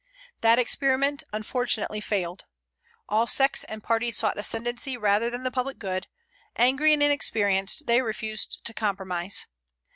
That experiment unfortunately failed. All sects and parties sought ascendency rather than the public good; angry and inexperienced, they refused to compromise.